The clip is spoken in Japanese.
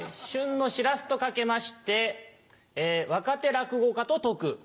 旬のしらすと掛けまして若手落語家と解く。